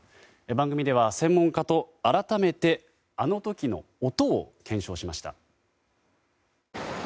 番組では専門家と改めてあの時の音を検証しました。